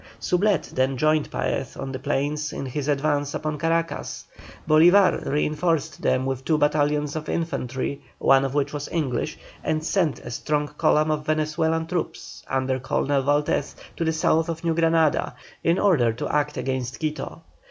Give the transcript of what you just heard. Soublette then joined Paez on the plains in his advance upon Caracas. Bolívar reinforced them with two battalions of infantry, one of which was English, and sent a strong column of Venezuelan troops, under Colonel Valdez, to the south of New Granada, in order to act against Quito.